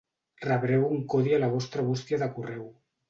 Rebreu un codi a la vostra bústia de correu.